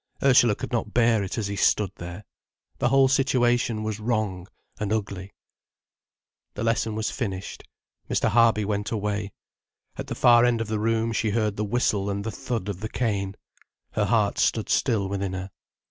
Ursula could not bear it as he stood there. The whole situation was wrong and ugly. The lesson was finished, Mr. Harby went away. At the far end of the room she heard the whistle and the thud of the cane. Her heart stood still within her.